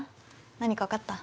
何かわかった？